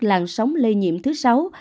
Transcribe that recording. làn sóng lây nhiễm thứ sáu